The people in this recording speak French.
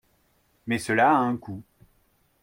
Mais cela a un coût.